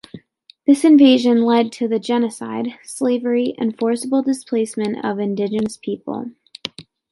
This invasion led to the genocide, slavery and forcible displacement of indigenous people.